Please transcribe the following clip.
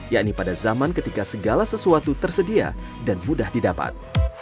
yakni pada zaman ketika segala sesuatu tersedia dan mudah didapat